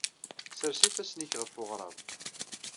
Ssers ifassen-nnek ɣef uɣrab.